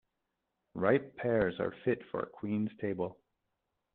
Ripe pears are fit for a queen's table.